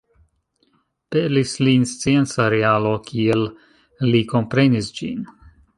Pelis lin scienca realo, kiel li komprenis ĝin.